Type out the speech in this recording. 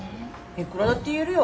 いくらだって言えるよ。